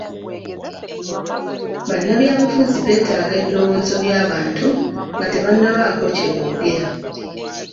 Bannabyabufuzi beetaaga ebirowoozo by'abantu nga tebannabaako kye boogera.